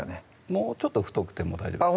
もうちょっと太くても大丈夫です